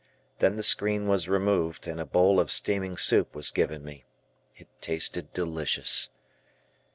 Then the screen was removed and a bowl of steaming soup was given me. It tasted delicious.